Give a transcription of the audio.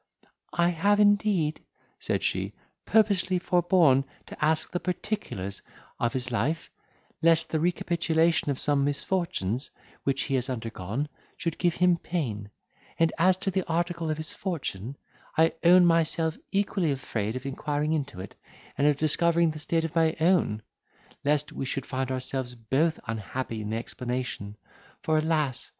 "I have indeed," said she, "purposely forborne to ask the particulars of his life, lest the recapitulation of some misfortunes, which he has undergone, should give him pain; and, as to the article of his fortune, I own myself equally afraid of inquiring into it, and of discovering the state of my own, lest we should find ourselves both unhappy in the explanation; for, alas!